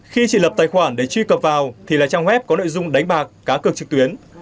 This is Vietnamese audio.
khi chị lập tài khoản để truy cập vào thì là trang web có nội dung đánh bạc cá cực trực tuyến